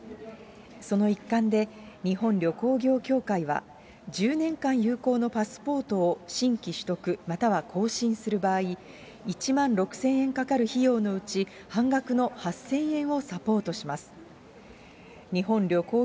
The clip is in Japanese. その一環で、日本旅行業協会は、１０年間有効のパスポートを新規取得、または更新する場合、１万６０００円からかかる費用のうち、半額の８０００円をサポートします。